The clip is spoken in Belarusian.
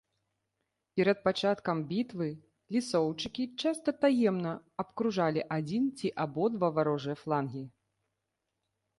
Перад пачаткам бітвы лісоўчыкі часта таемна абкружалі адзін ці абодва варожыя флангі.